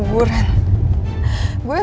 kalo gue sampe ke guguran